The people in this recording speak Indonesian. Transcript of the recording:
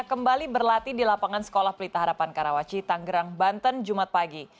kembali berlatih di lapangan sekolah pelita harapan karawaci tanggerang banten jumat pagi